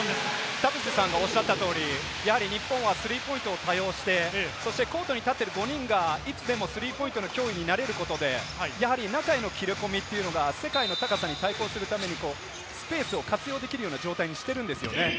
田臥さんがおっしゃった通り、日本はスリーポイントに対応してコートに立っている５人がいつでもスリーポイントの脅威になれることで、中への切り込みが世界の高さに対抗するためにスペースを活用できるような状態にしてるんですよね。